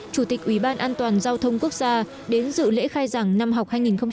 chủ tịch ủy ban an toàn giao thông quốc gia đến dự lễ khai giảng năm học hai nghìn một mươi tám hai nghìn một mươi chín